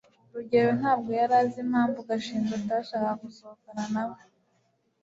rugeyo ntabwo yari azi impamvu gashinzi atashakaga gusohokana nawe